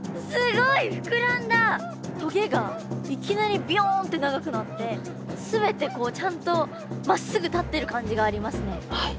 棘がいきなりビヨンって長くなって全てこうちゃんとまっすぐ立ってる感じがありますね。